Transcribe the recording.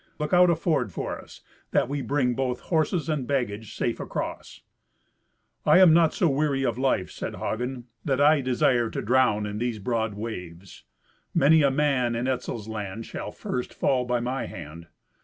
Look out a ford for us, that we bring both horses and baggage safe across." "I am no so weary of life," said Hagen, "that I desire to drown in these broad waves. Many a man in Etzel's land shall first fall by my hand.